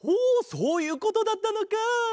そういうことだったのか。